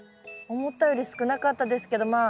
思ったより少なかったですけどまあ